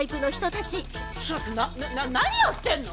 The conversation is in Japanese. ちょっとな何やってんの！？